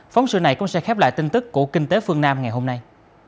phóng sự này cũng sẽ khép lại tin tức của kinh tế phương nam ngày hôm nay